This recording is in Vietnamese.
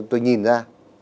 mà tôi nhìn ra